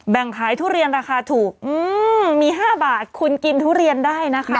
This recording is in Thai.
แบ่งขายทุเรียนราคาถูกมี๕บาทคุณกินทุเรียนได้นะคะ